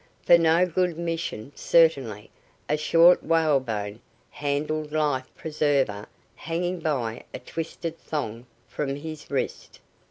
For no good mission, certainly, a short whalebone handled life preserver hanging by a twisted thong from his wrist.